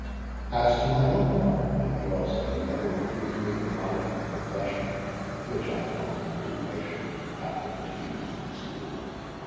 As to mine own part, I may well say, that he never refused me that modicum of refreshment with which I am wont to recruit nature after the fatigues of my school.